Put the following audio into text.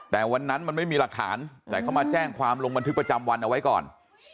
แต่วันนั้นมันไม่มีหลักฐานแต่เขามาแจ้งความลงบันทึกประจำวันเอาไว้ก่อน